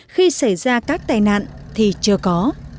khi xảy ra các tai nạn thì chưa có